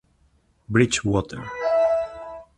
Bridgewater.